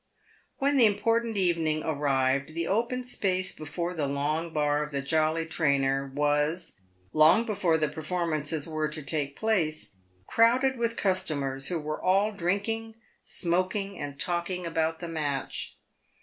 "When the important evening arrived, the open space before the long bar of " The Jolly Trainer" was, long before the performances were to take place, crowded with customers, who were all drinking, smoking, and talking about the match.